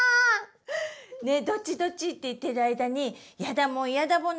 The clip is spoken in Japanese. どっちどっちって言ってる間にやだもんやだもんの